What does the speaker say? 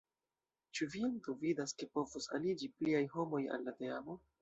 Ĉu vi antaŭvidas ke povos aliĝi pliaj homoj al la teamo?